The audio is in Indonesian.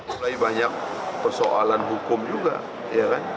sebenarnya banyak persoalan hukum juga ya kan